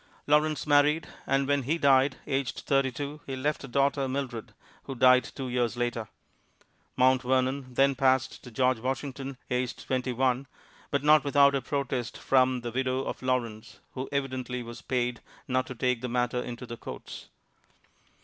Lawrence married, and when he died, aged thirty two, he left a daughter, Mildred, who died two years later. Mount Vernon then passed to George Washington, aged twenty one, but not without a protest from the widow of Lawrence, who evidently was paid not to take the matter into the courts.